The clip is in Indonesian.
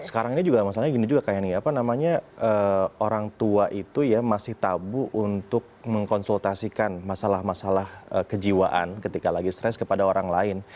sekarang ini juga masalahnya gini juga kayak nih apa namanya orang tua itu ya masih tabu untuk mengkonsultasikan masalah masalah kejiwaan ketika lagi stres kepada orang lain